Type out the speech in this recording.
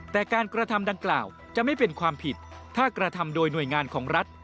แต่การกระทำดังกล่าวจะไม่เป็นความผิดถ้ากระทำโดยหน่วยงานของรัฐ